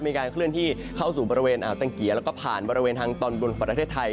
มีการเคลื่อนที่เข้าสู่บริเวณอ่าวตังเกียร์แล้วก็ผ่านบริเวณทางตอนบนประเทศไทย